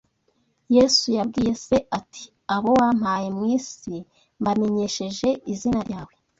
Yesu yabwiye Se ati: Abo wampaye mu isi mbamenyesheje izina ryawe